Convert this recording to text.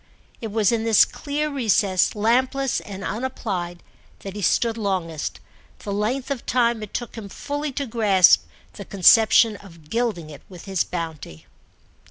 It was in this clear recess, lampless and unapplied, that he stood longest—the length of time it took him fully to grasp the conception of gilding it with his bounty.